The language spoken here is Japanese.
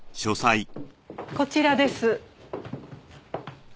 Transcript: こちらです。